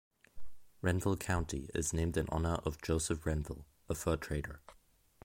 Renville County is named in honor of Joseph Renville, a fur trader.